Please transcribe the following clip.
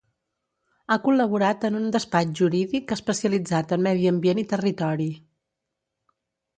Ha col·laborat en un despatx jurídic especialitzat en Medi Ambient i Territori.